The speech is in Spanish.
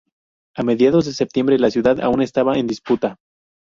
A mediados de septiembre, la ciudad aún estaba en disputa.